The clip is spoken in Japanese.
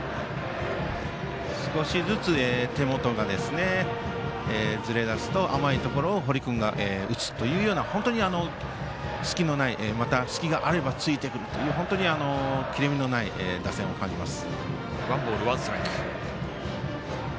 少しずつ、手元がずれ出すと甘いところを堀君が打つという隙のない、または隙があれば突いてくるという本当に切れ目のない打線を感じます。